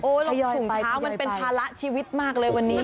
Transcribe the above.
แล้วถุงเท้ามันเป็นภาระชีวิตมากเลยวันนี้